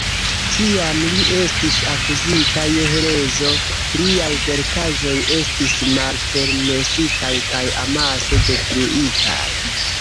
Kiam li estis akuzita je herezo, liaj verkaĵoj estis malpermesitaj kaj amase detruitaj.